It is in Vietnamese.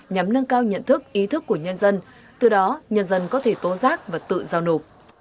nhằm nâng cao nhận thức ý thức của nhân dân từ đó nhân dân có thể tố giác và tự giao nộp